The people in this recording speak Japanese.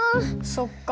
そっか。